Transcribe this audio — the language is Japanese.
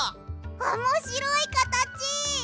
おもしろいかたち！